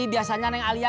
biasanya dengan alia